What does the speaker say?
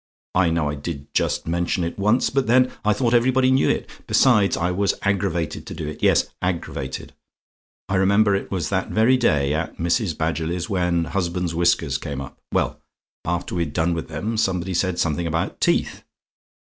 I know I did just mention it once, but then I thought everybody knew it besides, I was aggravated to do it; yes, aggravated. I remember it was that very day, at Mrs. Badgerly's, when husbands' whiskers came up. Well, after we'd done with them, somebody said something about teeth.